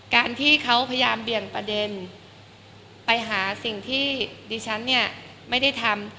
การที่เขาพยายามเบี่ยงประเด็นไปหาสิ่งที่ดิฉันเนี่ยไม่ได้ทำ